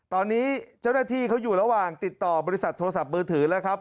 ตอนนี้เจ้าหน้าที่เขาอยู่ระหว่างติดต่อบริษัทโทรศัพท์มือถือแล้วครับ